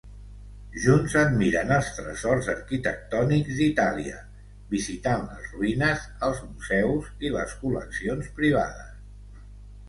Junts admiren els tresors arquitectònics d'Itàlia, visitant les ruïnes, els museus i les col·leccions privades.